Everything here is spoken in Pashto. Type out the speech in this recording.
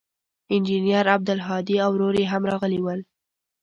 انجنیر عبدالهادي او ورور یې هم راغلي ول.